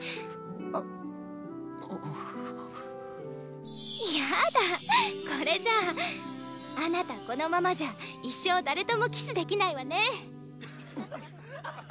あっ⁉やだこれじゃああなたこのままじゃ一生誰ともキスできないわね。